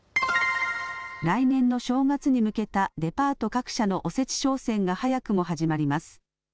来年の正月に向けたデパート各社のおせち商戦が早くも始まります。